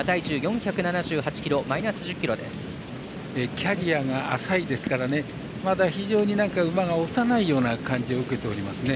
キャリアが浅いですからまだ非常に馬が幼いような感じを受けておりますね。